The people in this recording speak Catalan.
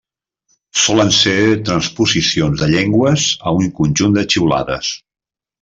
Solen ser transposicions de llengües a un conjunt de xiulades.